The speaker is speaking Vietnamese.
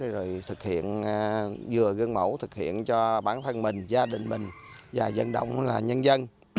rồi thực hiện vừa gương mẫu thực hiện cho bản thân mình gia đình mình và dân động là nhân dân